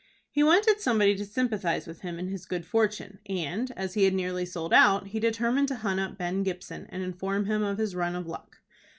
He wanted somebody to sympathize with him in his good fortune, and, as he had nearly sold out, he determined to hunt up Ben Gibson, and inform him of his run of luck.